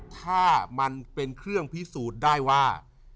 ถ้ามันเป็นเครื่องพิสูจน์ได้ว่า